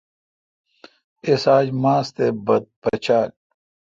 اس اج ماس تے بت پچال۔